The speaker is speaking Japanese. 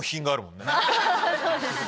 そうですね。